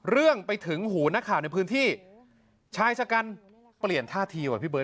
เรื่องไปถึงหูนักข่าวในพื้นที่ชายชะกันเปลี่ยนท่าทีว่ะพี่เบิร์